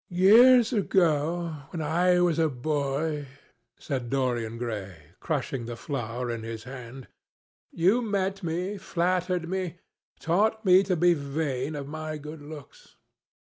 "Years ago, when I was a boy," said Dorian Gray, crushing the flower in his hand, "you met me, flattered me, and taught me to be vain of my good looks.